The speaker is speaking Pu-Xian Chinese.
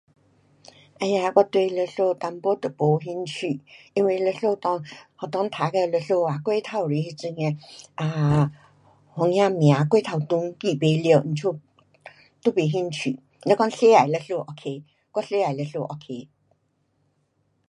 唉呀我对历史一点都没兴趣。因为历史内，学堂读的历史啊过头多那种的 um 番呀名，过头长，记不完，因此都没兴趣，若讲世界历史 ok. 我世界历史 ok